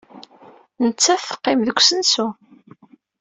Nettat teqqim deg usensu.